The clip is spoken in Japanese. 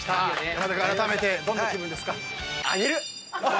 山田君あらためてどんな気分ですか？